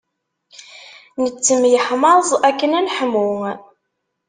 Nettemyeḥmaẓ akken ad neḥmu.